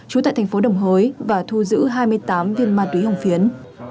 trú tại thành phố đồng hới và thu giữ hai mươi tám viên ma túy hồng phiến